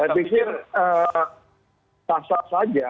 saya pikir sah sah saja